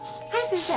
先生。